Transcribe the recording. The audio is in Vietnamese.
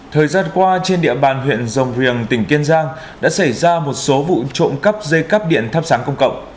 thời gian qua trên địa bàn huyện rồng riềng tỉnh kiên giang đã xảy ra một số vụ trộm cắp dây cắp điện thắp sáng công cộng